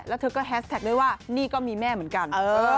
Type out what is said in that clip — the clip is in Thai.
แล้วเธอก็แฮสแท็กด้วยว่านี่ก็มีแม่เหมือนกัน